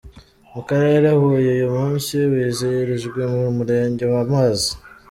Mu Karere Huye uyu munsi wizihirijwe mu Murenge wa Mbazi.